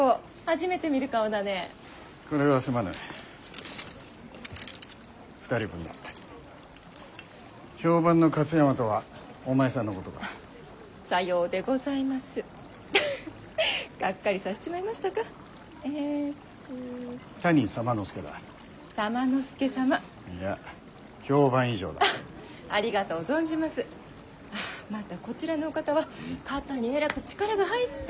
ああまたこちらのお方は肩にえらく力が入って！